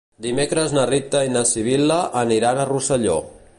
Dimecres na Rita i na Sibil·la aniran a Rosselló.